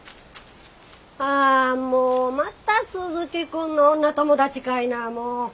あもうまた鈴木君の女友達かいなもう。